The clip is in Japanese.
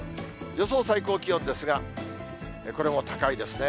予想最高気温ですが、これも高いですね。